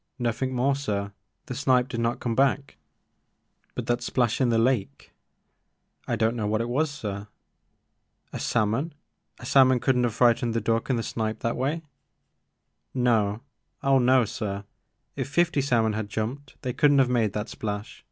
Nothing more sir. The snipe did not come back." " But that splash in the lake ?"" I don't know what it was sir." A salmon ? A salmon could n't have fright ened the duck and the snipe that way ?"No — oh no, sir. If fifty salmon had jumped they could n't have made that splash.